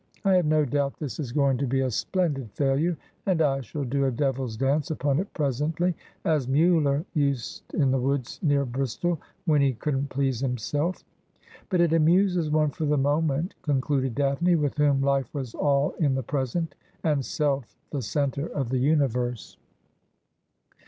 I have no doubt this is going to be a splendid failure, and I shall do a devil's dance upon it presently, as Mliller used in the woods near Bristol, when he couldn't please himself. But it amuses one for the moment,' concluded Daphne, with whom life was all in the present, and self the centre of the universe.